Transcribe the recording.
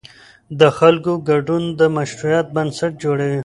د خلکو ګډون د مشروعیت بنسټ جوړوي